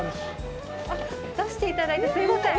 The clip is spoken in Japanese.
あっ、出していただいて、すいません。